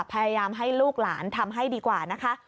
พยายามให้ลูกหลานทำให้ดีกว่านะคะ